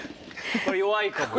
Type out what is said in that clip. これ弱いかもな。